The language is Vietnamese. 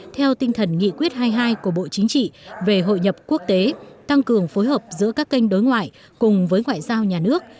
theo tinh thần nghị quyết hai mươi hai của bộ chính trị về hội nhập quốc tế tăng cường phối hợp giữa các kênh đối ngoại cùng với ngoại giao nhà nước